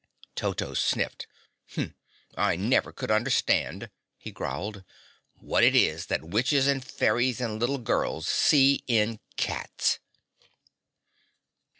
Toto sniffed. "I never could understand," he growled, "what it is that witches and fairies and little girls see in cats!"